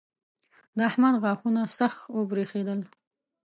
د احمد غاښونه سخت وبرېښېدل.